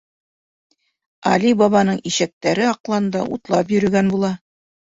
Али Бабаның ишәктәре аҡланда утлап йөрөгән була.